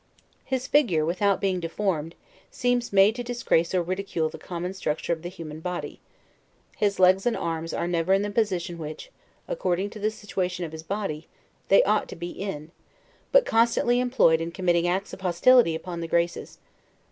His figure (without being deformed) seems made to disgrace or ridicule the common structure of the human body. His legs and arms are never in the position which, according to the situation of his body, they ought to be in, but constantly employed in committing acts of hostility upon the Graces.